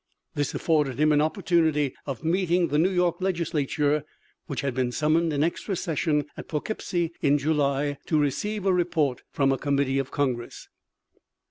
This afforded him an opportunity of meeting the New York legislature, which had been summoned in extra session at Poughkeepsie, in July, to receive a report from a committee of Congress.